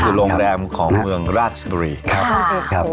คือโรงแรมของเมืองราชบุรีครับ